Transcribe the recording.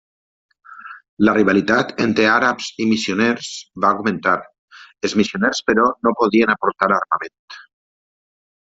La rivalitat entre àrabs i missioners va augmentar; els missioners però no podien aportar armament.